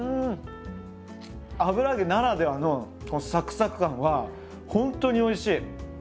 油揚げならではのこのサクサク感はほんとにおいしい。